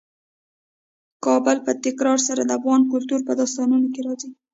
کابل په تکرار سره د افغان کلتور په داستانونو کې راځي.